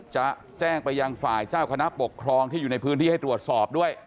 จะแจ้งไปยังฝ่ายเจ้าคณะปกครองที่อยู่ในพื้นที่ให้ตรวจสอบด้วย